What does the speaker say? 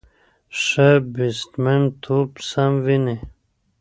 ښه بیټسمېن توپ سم ویني.